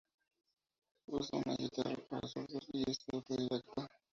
Usa una guitarra para zurdos, y es autodidacta.